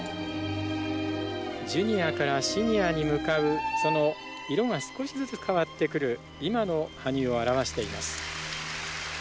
ジュニアからシニアに向かうその色が少しずつ変わってくる今の羽生を表しています。